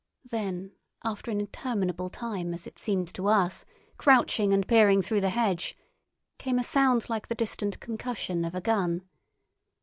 Then, after an interminable time, as it seemed to us, crouching and peering through the hedge, came a sound like the distant concussion of a gun.